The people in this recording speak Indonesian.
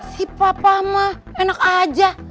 si papa mah enak aja